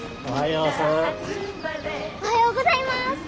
おはようございます。